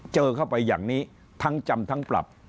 เจอเข้าไปอย่างนี้ทั้งจำทั้งปรับ